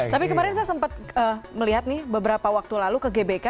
tapi kemarin saya sempat melihat nih beberapa waktu lalu ke gbk